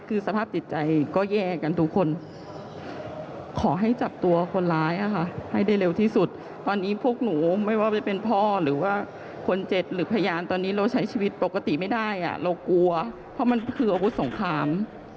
เรากลัวเพราะมันคืออาวุธสงคราม